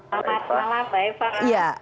selamat malam pak iva